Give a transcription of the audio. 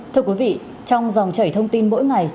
thưa quý vị trong dòng chảy thông tin mỗi ngày